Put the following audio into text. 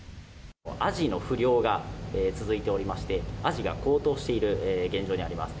アジの不漁が続いておりまして、アジが高騰している現状にあります。